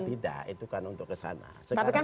tidak itu kan untuk ke sana tapi kan